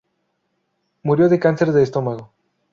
Murió de cáncer de estómago.